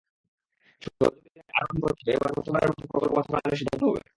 সহযোগিতাকে আরও নিবিড় করতে এবার প্রথমবারের মতো প্রকল্প বাস্তবায়নের সিদ্ধান্ত হবে।